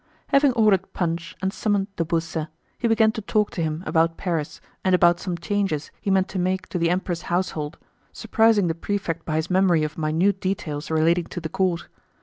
Having ordered punch and summoned de Beausset, he began to talk to him about Paris and about some changes he meant to make in the Empress' household, surprising the prefect by his memory of minute details relating to the court.